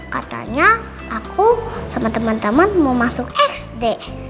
katanya aku sama temen temen mau masuk sd